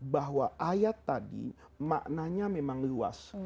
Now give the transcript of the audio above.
bahwa ayat tadi maknanya memang luas